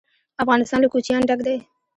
افغانستان له کوچیان ډک دی.